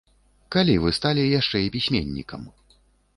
Калі вы сталі яшчэ і пісьменнікам?